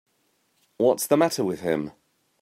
What's the matter with him.